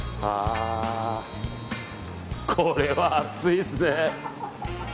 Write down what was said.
これは暑いですね。